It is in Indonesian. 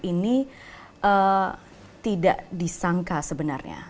ini tidak disangka sebenarnya